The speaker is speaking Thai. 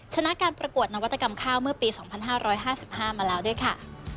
ชนะการประกวดนวัตกรรมข้าวเมื่อปี๒๕๕๕มาแล้วด้วยค่ะ